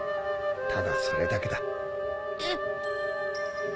ただそれだけだ。え。